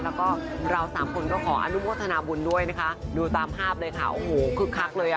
แล้วก็เราสามคนก็ขออนุโมทนาบุญด้วยนะคะดูตามภาพเลยค่ะโอ้โหคึกคักเลยอ่ะ